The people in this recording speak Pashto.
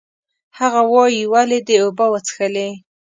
هغه وایي، ولې دې اوبه وڅښلې؟